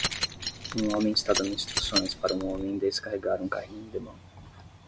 Um homem está dando instruções para um homem descarregar um carrinho de mão.